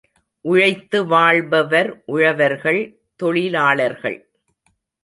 உழைத்து வாழ்பவர் உழவர்கள் தொழிலாளர்கள்.